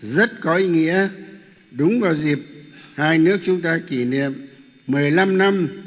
rất có ý nghĩa đúng vào dịp hai nước chúng ta kỷ niệm một mươi năm năm